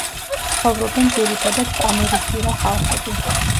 ცხოვრობენ ძირითადად პამირისპირა ხალხები.